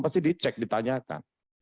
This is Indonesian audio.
pasti dicek ditanyakan